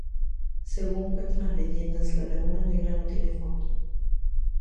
Según cuentan las leyendas, la laguna Negra no tiene fondo.